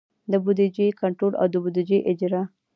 د بودیجې کنټرول او د بودیجې اجرا.